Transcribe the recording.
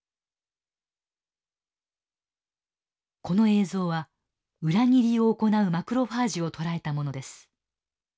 この映像は裏切りを行うマクロファージをとらえたものです。